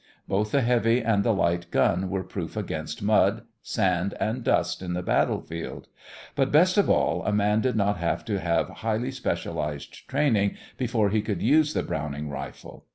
Both the heavy and the light gun were proof against mud, sand, and dust of the battle field. But best of all, a man did not have to have highly specialized training before he could use the Browning rifle.